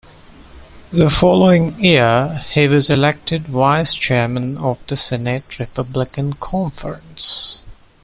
The following year, he was elected vice-chairman of the Senate Republican Conference.